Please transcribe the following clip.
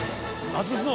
熱そう！